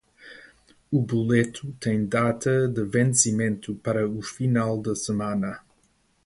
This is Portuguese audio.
O boleto tem data de vencimento para o final da semana